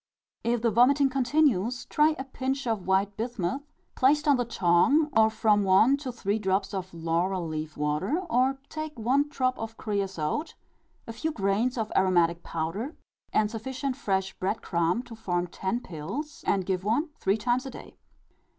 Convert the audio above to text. If the vomiting continues, try a pinch of white bismuth, placed on the tongue, or from one to three drops of laurel leaf water; or, take one drop of creasote, a few grains of aromatic powder, and sufficient fresh bread crumb to form ten pills; and give one three times a day.